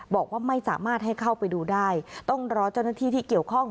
บอกว่าไม่สามารถให้เข้าไปดูได้ต้องรอเจ้าหน้าที่ที่เกี่ยวข้อง